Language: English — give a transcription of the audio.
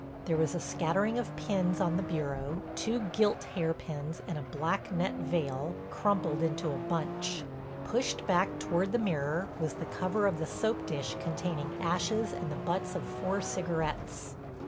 There was a scattering of pins on the bureau, two gilt hairpins and a black net veil, crumpled into a bunch. Pushed back toward the mirror was the cover of the soap dish containing ashes and the butts of four cigarettes.